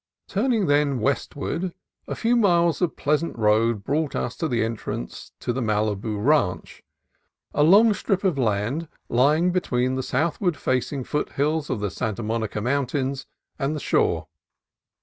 Turning, then, westward, a few miles of pleasant road brought us to the entrance to the Malibu Ranch, a long strip of land lying between the south ward facing foothills of the Santa Monica Moun tains and the shore.